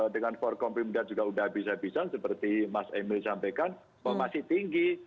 dengan for komplementer juga sudah bisa bisa seperti mas emil sampaikan masih tinggi